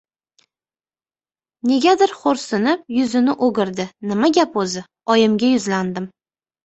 Negadir xo‘rsinib, yuzini o‘girdi. Nima gap o‘zi? Oyimga yuzlandim.